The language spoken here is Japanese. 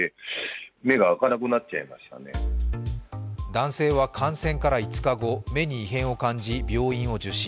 男性は感染から５日後目に異変を感じ、病院を受診。